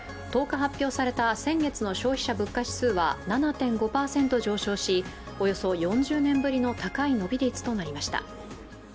１０日発表された先月の消費者物価指数は７．５％上昇しおよそ４０年ぶりの高い伸び率となりました。